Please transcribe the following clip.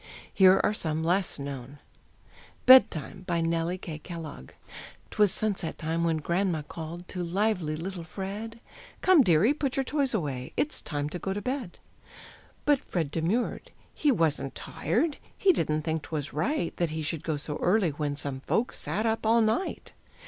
Here are some less known: BEDTIME. BY NELLIE K. KELLOGG. 'Twas sunset time, when grandma called To lively little Fred: "Come, dearie, put your toys away, It's time to go to bed." But Fred demurred. "He wasn't tired, He didn't think 'twas right That he should go so early, when Some folks sat up all night."